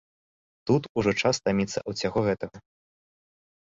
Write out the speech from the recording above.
Тут ужо час стаміцца ад усяго гэтага.